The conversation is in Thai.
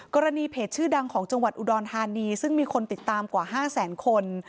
กรณีเพจชื่อดังของจังหวัดอุดรธานีซึ่งมีคนติดตามกว่า๕แสนคน